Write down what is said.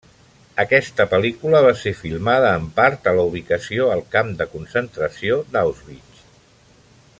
Aquesta pel·lícula va ser filmada en part a la ubicació al camp de concentració d'Auschwitz.